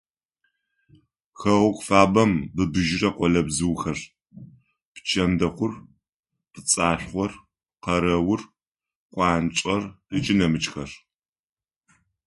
Хэгъэгу фабэм быбыжьрэ къолэбзыухэр: пчэндэхъур, пцӏашхъор, къэрэур, къуанчӏэр ыкӏи нэмыкӏхэр.